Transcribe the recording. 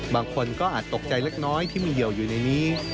บางคนก็อาจตกใจเล็กน้อยที่มีเหี่ยวอยู่ในนี้